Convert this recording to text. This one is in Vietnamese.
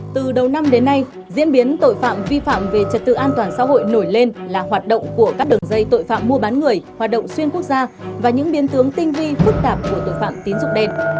từ đầu năm đến nay diễn biến tội phạm vi phạm về trật tự an toàn xã hội nổi lên là hoạt động của các đường dây tội phạm mua bán người hoạt động xuyên quốc gia và những biến tướng tinh vi phức tạp của tội phạm tín dụng đen